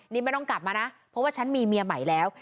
นี่ไม่ต้องกลับมานะเพราะว่าฉันมีเมียใหม่แล้ว